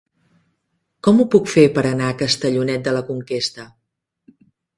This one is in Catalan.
Com ho puc fer per anar a Castellonet de la Conquesta?